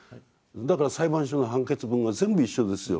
だから裁判所の判決文が全部一緒ですよ。